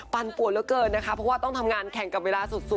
ปวดเหลือเกินนะคะเพราะว่าต้องทำงานแข่งกับเวลาสุด